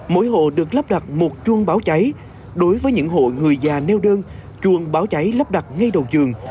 mỗi hộ được lắp đặt một chuông báo cháy đối với những hộ người già neo đơn chuông báo cháy lắp đặt ngay đầu giường